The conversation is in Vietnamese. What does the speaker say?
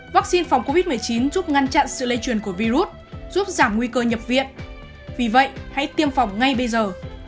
vaccine phòng covid một mươi chín giúp ngăn chặn sự lây truyền của virus giúp giảm nguy cơ nhập viện vì vậy hãy tiêm phòng ngay bây giờ